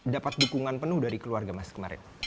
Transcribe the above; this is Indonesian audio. dapat dukungan penuh dari keluarga mas kemarin